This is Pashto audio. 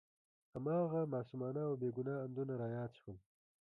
هماغه معصومانه او بې ګناه اندونه را یاد شول.